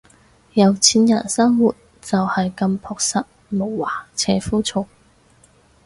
有錢人生活就係咁樸實無華且枯燥